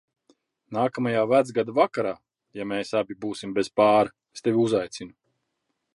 Nākamajā Vecgada vakarā, ja mēs abi būsim bez pāra, es tevi uzaicinu.